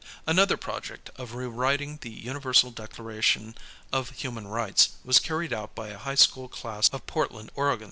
Another project of rewriting the Universal Declaration of Human Rights was carried out by a high school class of Portland, Oreg.